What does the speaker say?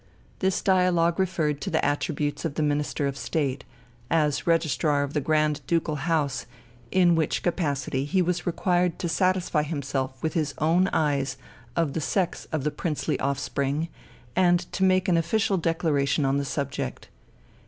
This dialogue referred to the attributes of the Minister of State, as registrar of the Grand Ducal house, in which capacity he was required to satisfy himself with his own eyes of the sex of the princely offspring and to make an official declaration on the subject.